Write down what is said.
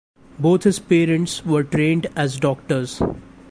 Both his parents were trained as doctors.